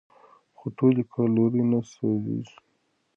خو ټولې کالورۍ نه سوځېږي.